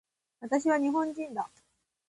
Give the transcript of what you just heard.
私は日本人だ